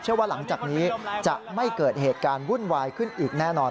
ว่าหลังจากนี้จะไม่เกิดเหตุการณ์วุ่นวายขึ้นอีกแน่นอน